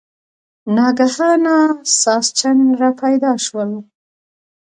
ناګهانه ساسچن را پیدا شول.